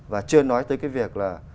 và chưa nói tới cái việc là